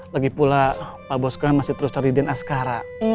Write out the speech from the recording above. lagipula pak boska masih terus cari dian askara